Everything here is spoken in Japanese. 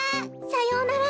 さようなら。